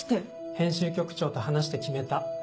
編集局長と話して決めた。